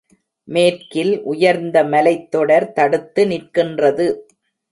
மேற்கில் உயர்ந்த மலைத்தொடர் தடுத்து நிற்கின்றது.